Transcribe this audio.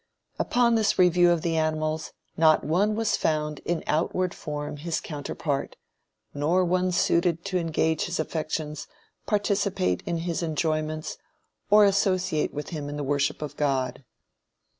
"Upon this review of the animals, not one was found in outward form his counterpart, nor one suited to engage his affections, participate in his enjoyments, or associate with him in the worship of God."